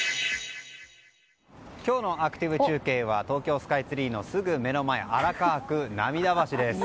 今日のアクティブ中継は東京スカイツリーのすぐ目の前荒川区泪橋です。